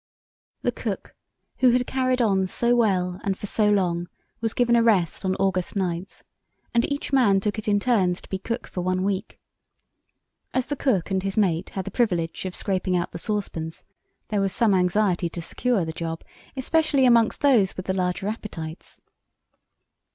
The cook, who had carried on so well and for so long, was given a rest on August 9, and each man took it in turns to be cook for one week. As the cook and his "mate" had the privilege of scraping out the saucepans, there was some anxiety to secure the job, especially amongst those with the larger appetites.